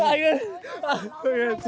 anh ơi anh ơi